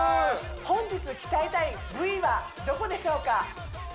本日鍛えたい部位はどこでしょうか？